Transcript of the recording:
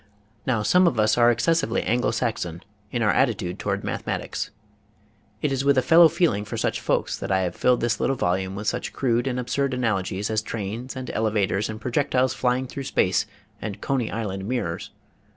Now some of us are excessively Anglo Saxon in our attitude toward mathematics. It is with a fellow feel ing for such folks that I have filled this little volume with such crude and absurd analogies as trains and elevators and projectiles flying through space and Coney Island mirrors.